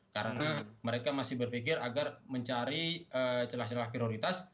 karena mereka masih berpikir agar mencari celah celah prioritas